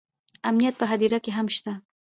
امنیت په هدیره کې هم شته